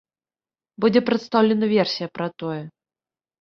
Будзе прадстаўлена версія пра тое.